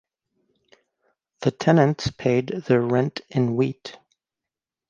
The tenants paid their rent in wheat.